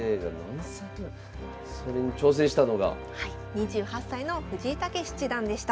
２８歳の藤井猛七段でした。